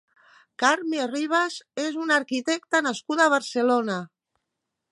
Carme Ribas és una arquitecta nascuda a Barcelona.